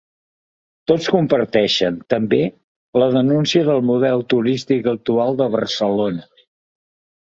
Totes compateixen, també, la denúncia del model turístic actual de Barcelona.